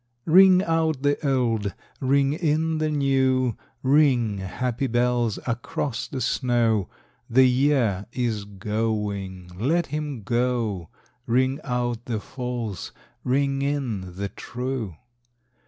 Ring out the old, ring in the new, Ring, happy bells, across the snow: The year is going, let him go; Ring out the false, ring in the true.